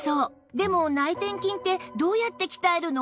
でも内転筋ってどうやって鍛えるの？